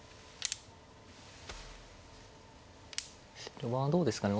序盤どうですかね。